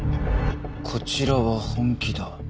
「こちらは本気だ」